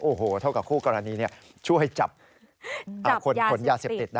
โอ้โหเท่ากับคู่กรณีช่วยจับคนขนยาเสพติด